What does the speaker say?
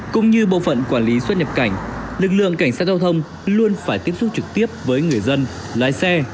cũng như bộ phận quản lý xuất nhập cảnh lực lượng cảnh sát giao thông luôn phải tiếp xúc trực tiếp với người dân lái xe